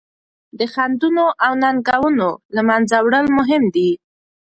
د خنډونو او ننګونو له منځه وړل مهم دي.